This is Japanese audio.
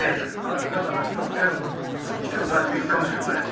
だからきょうは手を出していくかもしれんですよ。